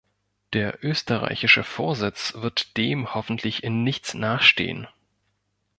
Der österreichische Vorsitz wird dem hoffentlich in nichts nachstehen.